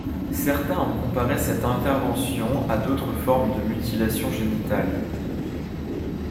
Certains ont comparé cette intervention à d'autres formes de mutilations génitales.